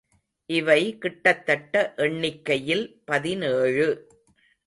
இவை கிட்டத்தட்ட எண்ணிக்கையில் பதினேழு .